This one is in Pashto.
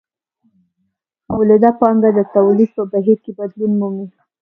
مولده پانګه د تولید په بهیر کې بدلون مومي